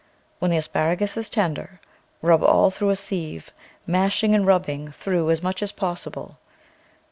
When the as paragus is tender, rub all through a sieve, mash ing and rubbing through as much as possible.